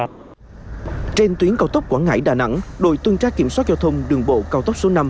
trên tuyến cao tốc quảng ngãi đà nẵng đội tuân trác kiểm soát giao thông đường bộ cao tốc số năm